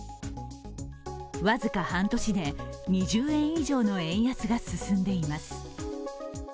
僅か半年で２０円以上の円安が進んでいます。